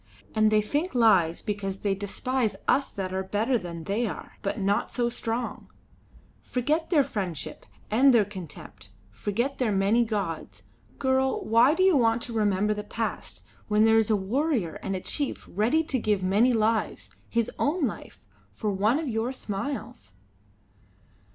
And they think lies because they despise us that are better than they are, but not so strong. Forget their friendship and their contempt; forget their many gods. Girl, why do you want to remember the past when there is a warrior and a chief ready to give many lives his own life for one of your smiles?"